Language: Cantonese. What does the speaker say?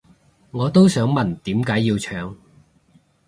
我都想問點解要搶